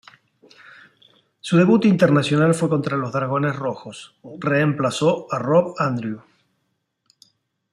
Su debut internacional fue contra los dragones rojos, reemplazó a Rob Andrew.